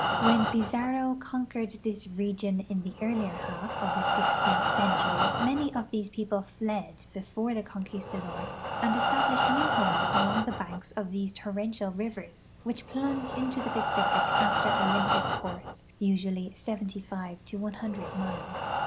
When Pizarro conquered this region in the earlier half of the sixteenth century many of these people fled before the conquistador and established new homes along the banks of these torrential rivers, which plunge into the Pacific after a limited course, usuall}" 75 to KK) miles.